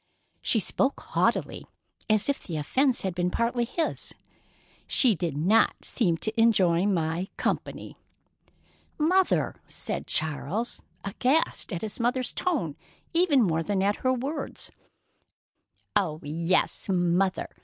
She spoke haughtily, as if the offence had been partly his. "She did not seem to enjoy my company." "Mother!" said Charles, aghast at his mother's tone even more than at her words. "Oh, yes, 'Mother'!"